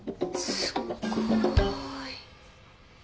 すっごい。